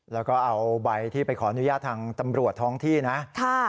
แล้วก็เอาใบที่ไปขออนุญาตทางตำรวจท้องที่นะ